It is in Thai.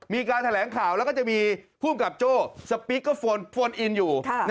มีการแถลงข่าวแล้วก็จะมีภูมิกับโจ้สปีกเกอร์โฟนอินอยู่